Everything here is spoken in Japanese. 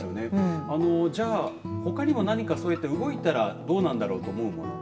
じゃあほかにも何か動いたらどうなんだろうと思うもの